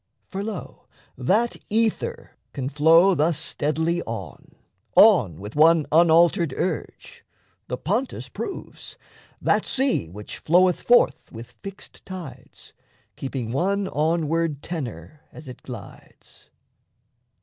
For, lo, That ether can flow thus steadily on, on, With one unaltered urge, the Pontus proves That sea which floweth forth with fixed tides, Keeping one onward tenor as it glides.